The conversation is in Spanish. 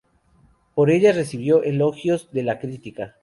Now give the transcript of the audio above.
Por ellas recibió elogios de la crítica.